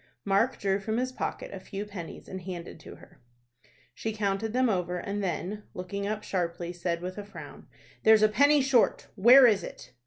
Mark drew from his pocket a few pennies, and handed to her. She counted them over, and then, looking up sharply, said, with a frown, "There's a penny short. Where is it?"